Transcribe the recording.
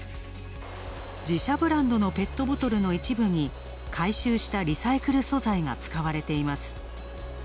自社ブランドのペットボトルの一部に回収したリサイクル素材が使われています。